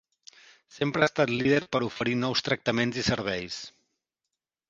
Sempre ha estat líder per oferir nous tractaments i serveis.